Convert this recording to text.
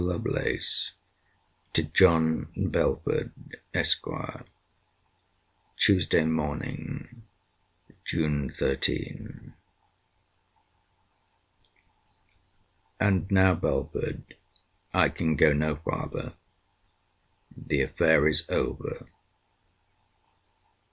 LOVELACE, TO JOHN BELFORD, ESQ. TUESDAY MORNING, JUNE 13. And now, Belford, I can go no farther. The affair is over.